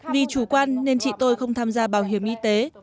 vì chủ quan nên chị tôi không tham gia bảo hiểm y tế